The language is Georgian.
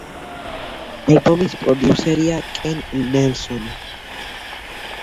ალბომის პროდიუსერია კენ ნელსონი.